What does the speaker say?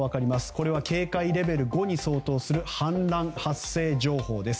これは警戒レベル５に相当する氾濫発生情報です。